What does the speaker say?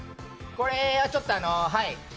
これはちょっと、はい。